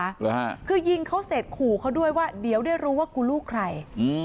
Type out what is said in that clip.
หรือฮะคือยิงเขาเสร็จขู่เขาด้วยว่าเดี๋ยวได้รู้ว่ากูลูกใครอืม